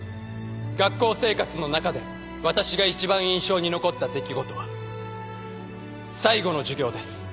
学校生活の中で私が一番印象に残った出来事は最後の授業です。